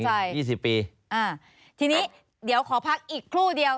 ค่ะเข้าใจนะครับ๒๐ปีอ่าทีนี้เดี๋ยวขอพักอีกครู่เดียว